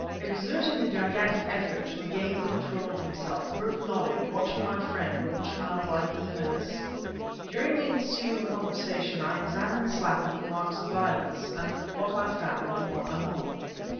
Exerting a gigantic effort to regain control of himself, Burke nodded, watching my friend with a childlike eagerness. During the ensuing conversation, I examined Slattin for marks of violence; and of what I found, more anon.